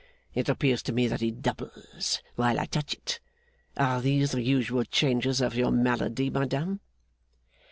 It appears to me that it doubles while I touch it. Are these the usual changes of your malady, madame?